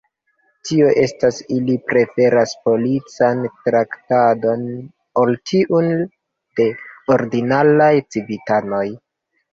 Tio estas, ili preferas polican traktadon ol tiun de ordinaraj civitanoj.